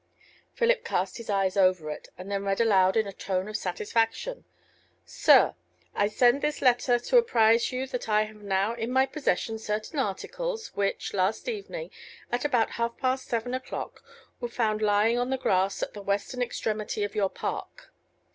Philip cast his eyes over it, and then read aloud in a tone of satisfaction: SIR, I send this letter to apprise you that I have now in my possession certain articles, which, last evening, at about half past seven o'clock, were found lying on the grass at the western extremity of your park.